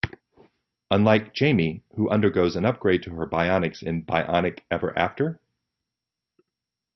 Unlike Jaime, who undergoes an upgrade to her bionics in Bionic Ever After?